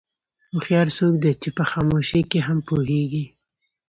هوښیار څوک دی چې په خاموشۍ کې هم پوهېږي.